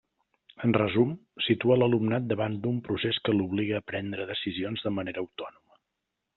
En resum, situa l'alumnat davant d'un procés que l'obliga a prendre decisions de manera autònoma.